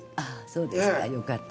そうですか。